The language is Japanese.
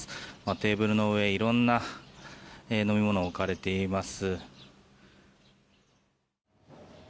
テーブルの上、いろんな飲み物が置かれています。